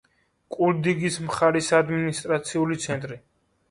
კულდიგის მხარის ადმინისტრაციული ცენტრი.